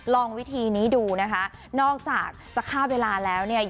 ลองวิธีนี้ดูนะคะนอกจากจะคาดเวลาแล้วเนี่ย